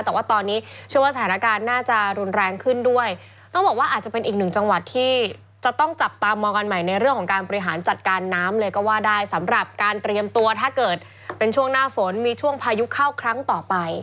แต่ว่าตอนนี้เชื่อว่าสถานการณ์น่าจะรุนแรงขึ้นด้วยต้องบอกว่าอาจจะเป็นอีกหนึ่งจังหวัดที่จะต้องจับตามองกันใหม่ในเรื่องของการบริหารจัดการน้ำเลยก็ว่าได้สำหรับการเตรียมตัวถ้าเกิดเป็นช่วงหน้าฝนมีช่วงพายุเข้าครั้งต่อไป